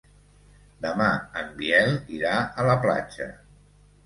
Demà en Biel irà a la platja.